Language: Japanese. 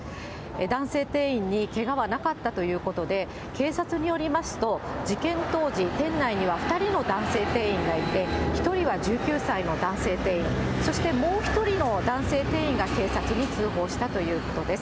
男性店員にけがはなかったということで、警察によりますと、事件当時、店内には２人の男性店員がいて、１人は１９歳の男性店員、そしてもう１人の男性店員が警察に通報したということです。